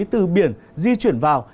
từ biển di chuyển vào